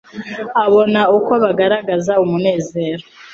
abona uko bagaragaza umunezero,